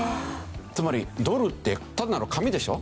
つまりドルって単なる紙でしょう。